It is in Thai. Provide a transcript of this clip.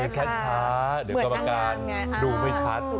เดินแค่ช้าเดินกรรมการดูไม่ชัด